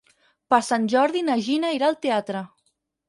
Per Sant Jordi na Gina irà al teatre.